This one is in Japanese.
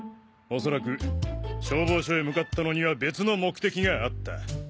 おそらく消防署へ向かったのには別の目的があった。